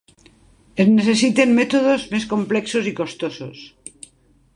Es necessiten mètodes més complexos i costosos.